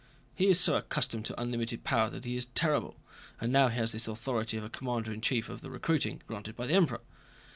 He is so accustomed to unlimited power that he is terrible, and now he has this authority of a commander in chief of the recruiting, granted by the Emperor.